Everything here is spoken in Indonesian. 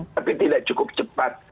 tapi tidak cukup cepat